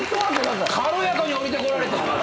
軽やかに下りてこられて。